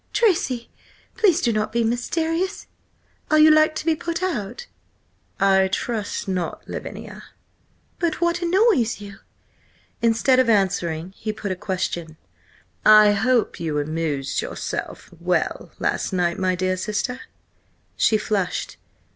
"Tracy, please do not be mysterious! Are you like to be put out?" "I trust not, Lavinia." "But what annoys you?" Instead of answering, he put a question: "I hope you amused yourself well–last night, my dear sister?" She flushed.